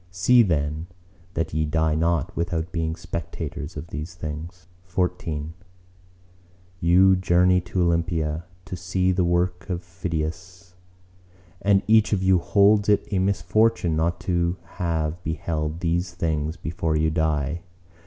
See then that ye die not without being spectators of these things. XIV You journey to Olympia to see the work of Phidias; and each of you holds it a misfortune not to have beheld these things before you die.